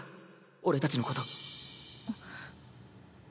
俺たちのことあっ。